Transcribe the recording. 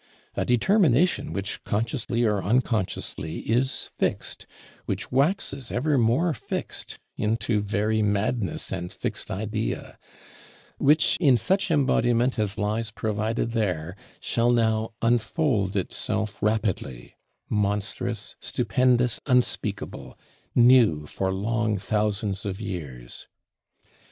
A determination which, consciously or unconsciously, is fixed; which waxes ever more fixed, into very madness and fixed idea; which, in such embodiment as lies provided there, shall now unfold itself rapidly: monstrous, stupendous, unspeakable; new for long thousands of years!